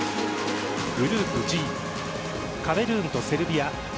グループＧカメルーンとセルビア。